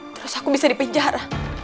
terus aku bisa dipinjar